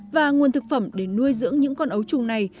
và nguồn thực phẩm để nuôi dưỡng những con ấu trùng này